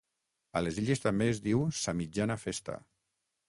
A les Illes també es diu ‘sa mitjana festa’.